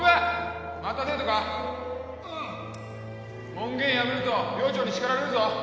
門限破ると寮長に叱られるぞ！